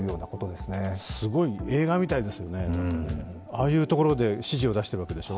すごい、映画みたいですよねああいうところで指示を出しているわけでしょう。